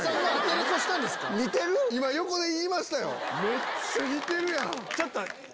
めっちゃ似てるやん！